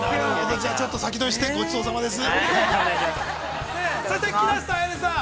じゃあ、ちょっと先取りして、ごちそうさまです。